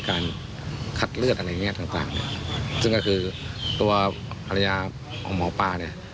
การคัดเลือดอะไรอย่างเงี้ยต่างต่างซึ่งก็คือตัวภรรยาของหมอปลาเนี่ย